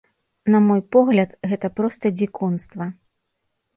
На мой погляд, гэта проста дзікунства.